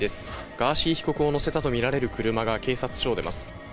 ガーシー被告を乗せたと見られる車が警察署を出ます。